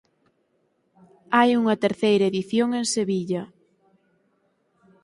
Hai unha terceira edición en Sevilla.